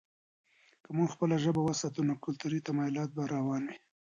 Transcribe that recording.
که موږ خپله ژبه وساتو، نو کلتوري تمایلات به روان وي.